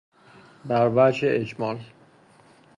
بر وجه اجمال